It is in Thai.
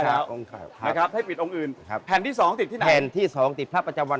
ห้ามปิดครับ